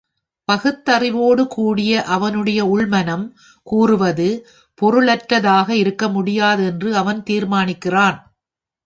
பகுத்தறிவோடு கூடிய அவனுடைய உள்மனம் கூறுவது பொருளற்றதாக இருக்க முடியாது என்று அவன் தீர்மானிக்கிறான்.